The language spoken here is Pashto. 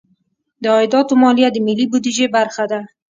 د عایداتو مالیه د ملي بودیجې برخه ده.